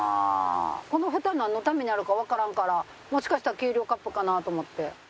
この蓋なんのためにあるかわからんからもしかしたら計量カップかな？と思って。